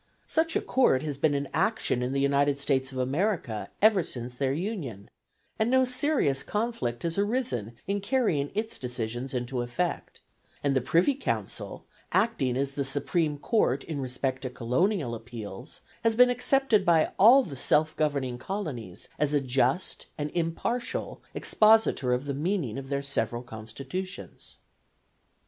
Such a court has been in action in the United States of America ever since their union, and no serious conflict has arisen in carrying its decisions into effect, and the Privy Council, acting as the Supreme Court in respect to Colonial appeals, has been accepted by all the self governing colonies as a just and impartial expositor of the meaning of their several constitutions.